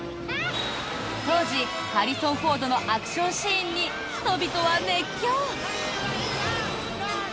当時、ハリソン・フォードのアクションシーンに人々は熱狂！